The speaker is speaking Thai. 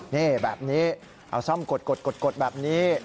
นี่แบบนี้เอาซ่อมกดแบบนี้